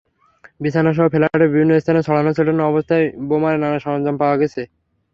বিছানাসহ ফ্ল্যাটের বিভিন্ন স্থানে ছড়ানো-ছিটানো অবস্থায় বোমার নানা সরঞ্জাম পাওয়া গেছে।